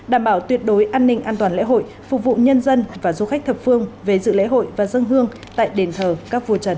đảm bảo tuyệt đối an ninh an toàn lễ hội phục vụ nhân dân và du khách thập phương về dự lễ hội và dân hương tại đền thờ các vua trần